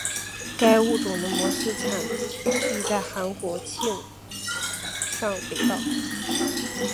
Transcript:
该物种的模式产地在韩国庆尚北道。